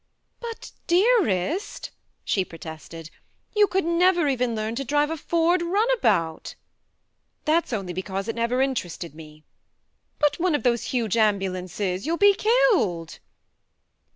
" But, dearest," she protested, "you could never even learn to drive a Ford runabout !"" That's only because it never inter ested me." " But one of those huge ambulances you'll be killed!"